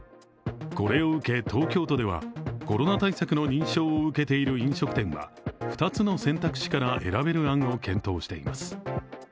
これを受け、東京都ではコロナ対策の認証を受けている飲食店は２つの選択肢から選べる案を検討しています。